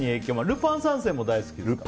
「ルパン三世」も大好きですか。